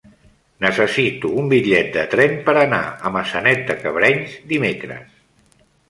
Necessito un bitllet de tren per anar a Maçanet de Cabrenys dimecres.